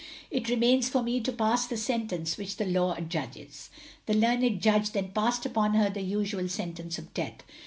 It remains for me to pass the sentence which the law adjudges. The learned Judge then passed upon her the usual Sentence of Death.